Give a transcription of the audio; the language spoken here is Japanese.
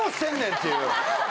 っていう。